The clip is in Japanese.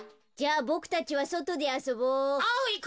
じゃあボクたちはそとであそぼう！